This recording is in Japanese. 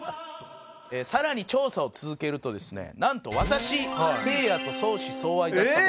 さらに調査を続けるとですねなんと私せいやと相思相愛だった事が判明しました。